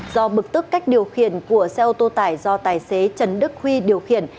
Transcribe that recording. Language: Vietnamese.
do bực tức cách điều khiển của xe ô tô tải do tài xế trần đức huy điều khiển